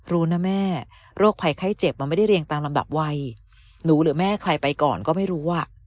รู้นะแม่โรคภัยไข้เจ็บมันไม่ได้เรียงตามลำดับวัยหนูหรือแม่ใครไปก่อนก็ไม่รู้อ่ะ